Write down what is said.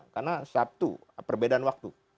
karena sabtu perbedaan waktu